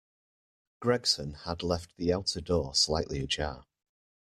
Gregson had left the outer door slightly ajar.